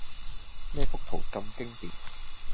呢幅圖咁經典